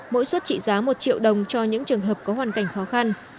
mỗi suất trị giá một triệu đồng cho những trường hợp có hoàn cảnh khó khăn